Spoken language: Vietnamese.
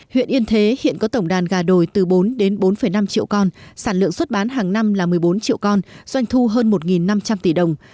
huyện yên thế hiện có tổng đàn gà đồi từ bốn đến bốn năm triệu con sản lượng xuất bán hàng năm là một mươi bốn triệu con doanh thu hơn một năm trăm linh tỷ đồng